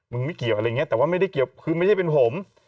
ไม่เกี่ยวอะไรอย่างนี้แต่ว่าไม่ได้เกี่ยวคือไม่ใช่เป็นผม